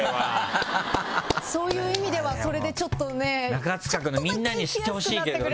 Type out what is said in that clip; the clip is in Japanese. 中務君のみんなに知ってほしいけどね。